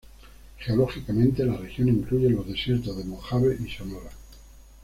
Geológicamente, la región incluye los desiertos de Mojave y Sonora.